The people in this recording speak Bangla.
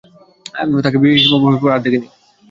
তাকে হিমবাহের পর আর দেখিনি।